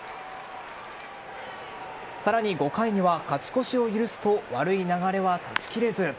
さらに５回には勝ち越しを許すと悪い流れは断ち切れず。